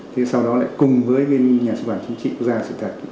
thế sau đó lại cùng với bên nhà xuất bản chính trị quốc gia sự thật